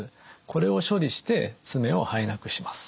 これを処理して爪を生えなくします。